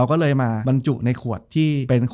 จบการโรงแรมจบการโรงแรม